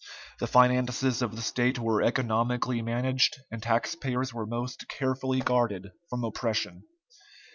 The finances of the state were economically managed, and taxpayers were most carefully guarded from oppression.